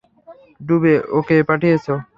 ডুবে ওকে পাঠিয়েছে।